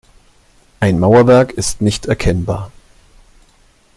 Ein Mauerwerk ist nicht erkennbar.